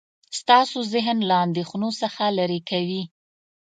ستاسو ذهن له اندیښنو څخه لرې کوي.